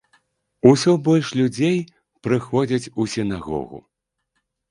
Усё больш людзей прыходзяць у сінагогу.